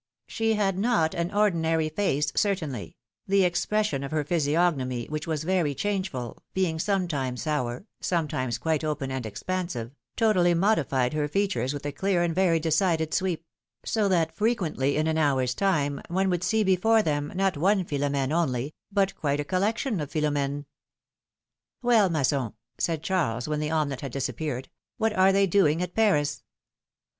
She had not an ordinary face, certainly; the expression of her physiognomy, which was very changeful, being sometimes sour, sometimes quite open and expansive, totally modified her features with a clear and very decided sweep ; so that frequently in an hour's time, one would see before them, not one Philomdne only, but quite a collection of Philom^nes. Well, Masson," said Charles, wdien the omelette had disappeared, what are they doing at Paris?"